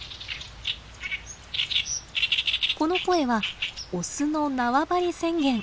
この声はオスの縄張り宣言。